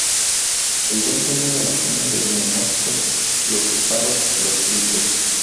El denso humo de la quema de neumáticos, los disparos, los gritos.